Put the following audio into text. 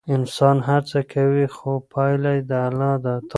انسان هڅه کوي خو پایله د الله ده.